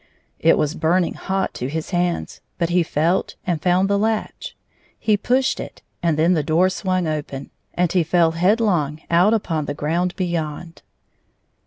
It was burning hot to his hands, but he felt and found the latch. He pushed it, and then the door swung open, and he fell headlong out upon the ground beyond.